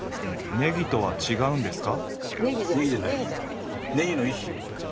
ネギとは違うんですか？